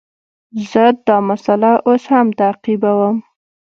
زه دا مسئله اوس هم تعقیبوم.